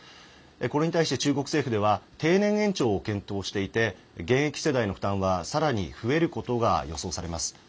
これに対して中国政府では定年延長を検討していて現役世代の負担はさらに増えることが予想されます。